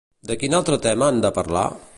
De quin altre tema han de parlar?